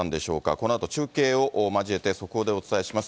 このあと中継を交えて、速報でお伝えします。